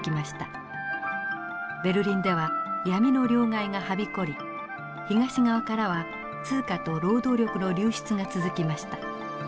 ベルリンでは闇の両替がはびこり東側からは通貨と労働力の流出が続きました。